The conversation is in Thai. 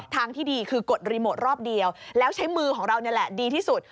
ทางที่ดีคือกดรีโมทรอบเดียวแล้วใช้มือของเรานี่แหละดีที่สุด